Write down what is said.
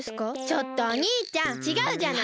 ちょっとおにいちゃんちがうじゃない！